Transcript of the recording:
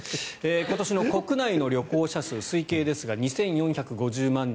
今年の国内の旅行者数推計ですが２４５０万人。